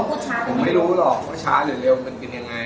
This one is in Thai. ผมไม่รู้หรอกว่าช้าหรือเร็วมันเป็นยังไง